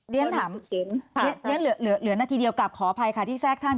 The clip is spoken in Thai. เรียนถามเหลือนาทีเดียวกลับขออภัยค่ะที่แทรกท่าน